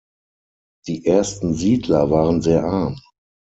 Die ersten Siedler waren sehr arm.